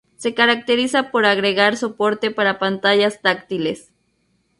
Se caracteriza por agregar soporte para pantallas táctiles.